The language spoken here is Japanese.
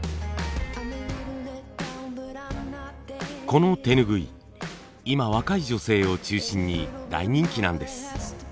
この手ぬぐい今若い女性を中心に大人気なんです。